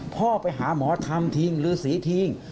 พ่อไปหาหมอธรรมทิงหรือศรีทิง